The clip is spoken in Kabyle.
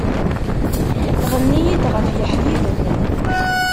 Ɣenni-yi-d ɣef yeḥbiben